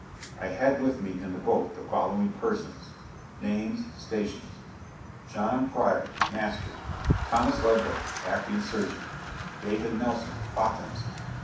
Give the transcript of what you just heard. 'I had with me in the boat the following persons: Names. Stations. JOHN FRYER Master. THOMAS LEDWARD Acting Surgeon. DAVID NELSON Botanist.